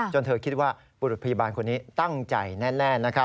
เธอคิดว่าบุรุษพยาบาลคนนี้ตั้งใจแน่